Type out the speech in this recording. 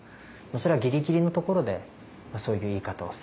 それはギリギリのところでそういう言い方をすると。